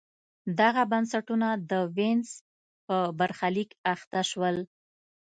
دغه بنسټونه د وینز په برخلیک اخته شول.